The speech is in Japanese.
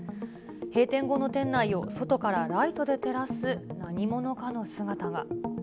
閉店後の店内を外からライトで照らす何者かの姿が。